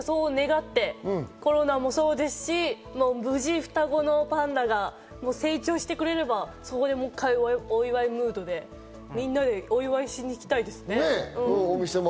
そう願って、コロナもそうですし、無事、双子のパンダが成長してくれれば、そこでもう一回お祝いムードで、みんなでお祝いしに行きたいですね。